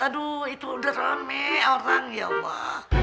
aduh udah rame orang ya allah